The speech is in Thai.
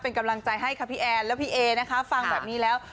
เป็นกำลังใจให้ค่ะพี่แอนแล้วพี่เอนะคะฟังแบบนี้แล้ว